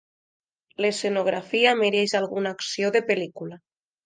L'escenografia mereix alguna acció de pel·lícula.